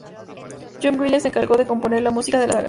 John Williams se encargó de componer la música de la saga.